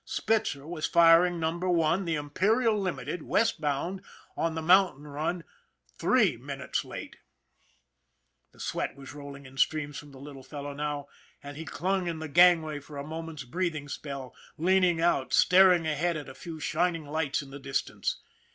SPITZER was firing Num SPITZER 89 her One, the Imperial Limited, westbound, on the mountain run, three minutes late ! The sweat was rolling in streams from the little fellow now, and he clung in the gangway for a mo ment's breathing spell, leaning out, staring ahead at a few shining lights in the distance.